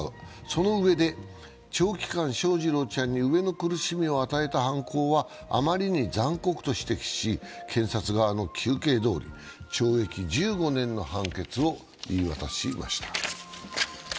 そのうえで長期間、翔士郎ちゃんに飢えの苦しみを与えた犯行はあまりに残酷と指摘し、検察側の求刑どおり、懲役１５年の判決を言い渡しました。